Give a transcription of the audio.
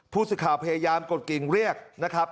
พูดสิทธิ์ข่าวพยายามกดกลิ่งเรียกนะครับ